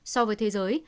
so với thế giới